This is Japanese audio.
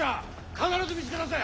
必ず見つけ出せ！